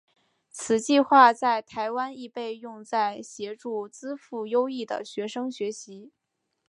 此计画在台湾亦被用在协助资赋优异的学生学习。